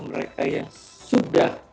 mereka yang sudah